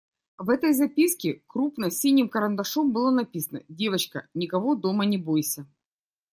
В этой записке крупно синим карандашом было написано: «Девочка, никого дома не бойся.»